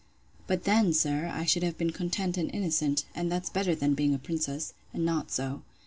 But then, sir, I should have been content and innocent; and that's better than being a princess, and not so.